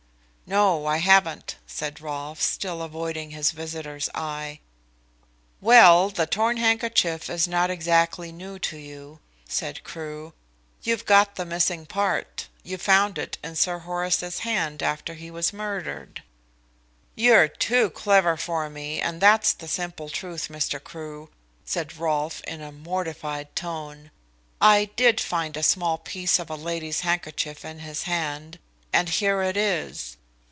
"No, I haven't," said Rolfe, still avoiding his visitor's eye. "Well, the torn handkerchief is not exactly new to you," said Crewe. "You've got the missing part; you found it in Sir Horace's hand after he was murdered." "You're too clever for me, and that's the simple truth, Mr. Crewe," said Rolfe, in a mortified tone. "I did find a small piece of a lady's handkerchief in his hand, and here it is."